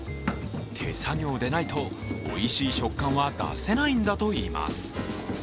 手作業でないと、おいしい食感は出せないんだといいます。